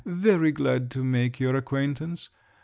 Very glad to make your acquaintance.